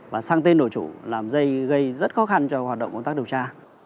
và sang tên đổi chủ làm dây gây rất khó khăn cho hoạt động công tác điều tra